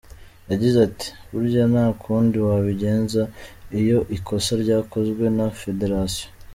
Yagize ati “Burya nta kundi wabigenza iyo ikosa ryakozwe na federation.